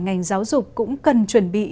ngành giáo dục cũng cần chuẩn bị